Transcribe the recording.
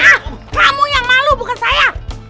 kamu yang malu bukan saya